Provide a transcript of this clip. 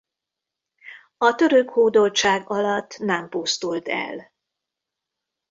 A török hódoltság alatt nem pusztult el.